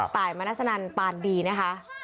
ต่ายมานาศนัลปาลดีนะคะ